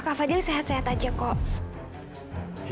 pak fadil sehat sehat aja kok